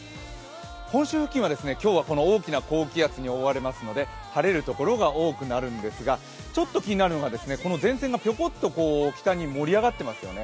本州付近は、今日は大きな高気圧に覆われますので、晴れる所が多くなるんですが、ちょっと気になるのがこの前線がぴょこっと北に盛り上がっていますよね。